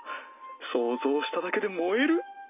想像しただけでもえる！